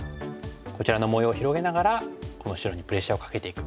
こちらの模様を広げながらこの白にプレッシャーをかけていく。